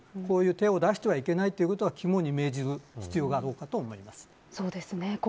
手を出しては、いけないということは、肝に銘じる必要があろうかと思います。